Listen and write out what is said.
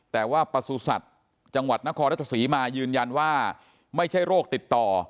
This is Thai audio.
แต่ว่าประสุทธิ์จังหวัดนครรัชศรีมายืนยันว่าไม่ใช่โรคติดต่อ